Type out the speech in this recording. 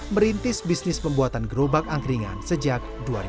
merintis bisnis pembuatan gerobak angkringan sejak dua ribu dua